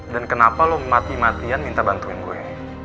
dan kenapa lo mati matian minta bantuin gue